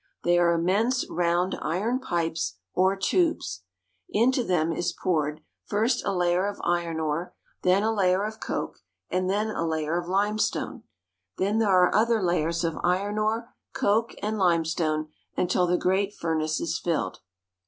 They are immense round iron pipes or tubes. Into them is poured, first a layer of iron ore; then a layer of coke, and then a layer of limestone. Then there are other layers of iron ore, coke, and lime stone, until the great furnace is filled.